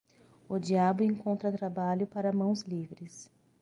O diabo encontra trabalho para mãos livres.